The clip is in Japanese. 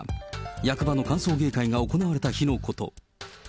役場の歓送迎会が行われた日のこと。